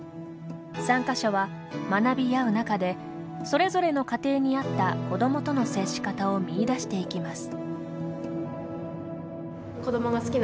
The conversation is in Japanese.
参加者は学び合う中でそれぞれの家庭に合った子どもとの接し方を見いだしていきます。